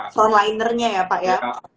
frontlinernya ya pak ya